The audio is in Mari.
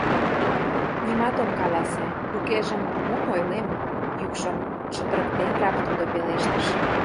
— Нимат ом каласе, укежым мом ойлем, — йӱкшым чытырыктенрак тудо пелештыш.